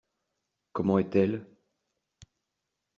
Comment est-elle ?